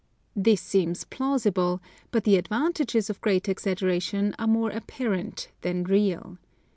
This seems plausible, but the advantanges of great exaggeration are more apparent than real.